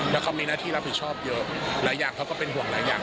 แล้วเขามีหน้าที่รับผิดชอบเยอะหลายอย่างเขาก็เป็นห่วงหลายอย่าง